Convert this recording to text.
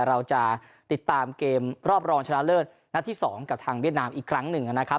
เราจะติดตามเกมรอบรองชนะเลิศนัดที่๒กับทางเวียดนามอีกครั้งหนึ่งนะครับ